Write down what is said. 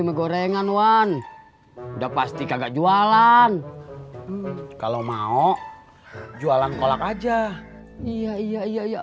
mie gorengan one udah pasti kagak jualan kalau mau jualan kolak aja iya iya iya